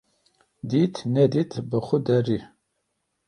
Dît nedît bi xwe de rî